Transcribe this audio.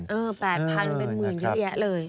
เออแปดพันเป็นหมื่นเยอะแยะเลย